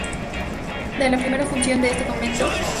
I De la primera fundación de este convento en Rio-olmos.